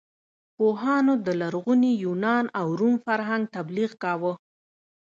پوهانو د لرغوني یونان او روم فرهنګ تبلیغ کاوه.